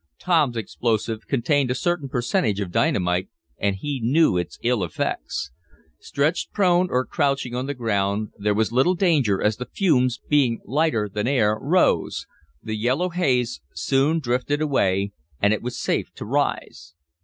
Tom's explosive contained a certain percentage of dynamite, and he knew its ill effects. Stretched prone, or crouching on the ground, there was little danger, as the fumes, being lighter than air, rose. The yellow haze soon drifted away, and it was safe to rise.